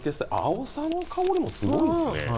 あおさの香りもすごいですね。